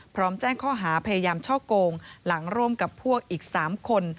พร้อมแจ้งข้อหาพยายามช่อโกงหลังร่วมกับพวกอีก๓คน